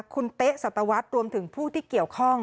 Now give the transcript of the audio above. คุณเตะสตทวัสตร์รวมถึงผู้ที่เกี่ยวข้อ